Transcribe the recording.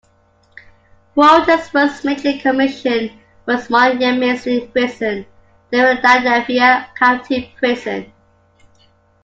Walter's first major commission was Moyamensing Prison, the Philadelphia County Prison.